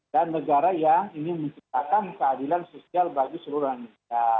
dan negara yang ingin menciptakan keadilan sosial bagi seluruh indonesia